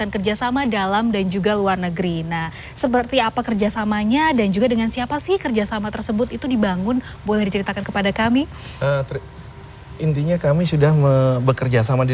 kerjasama tersebut itu dibangun boleh diceritakan kepada kami intinya kami sudah bekerja sama di